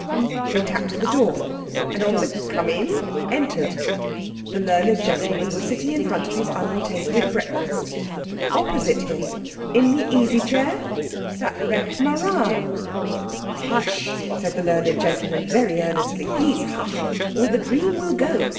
They tapped at the door, and on the "Come in" entered. The learned gentleman was sitting in front of his untasted breakfast. Opposite him, in the easy chair, sat Rekh marā! "Hush!" said the learned gentleman very earnestly, "please, hush! or the dream will go.